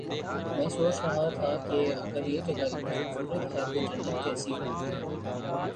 میں سوچ رہا تھا کہ اگر یہ جگہ اتنی خوب صورت ہے تو جنت کیسی ہو گی